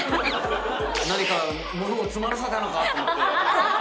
何か物を詰まらせたのかと思って。